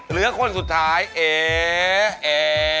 เหลือคนสุดท้ายเอ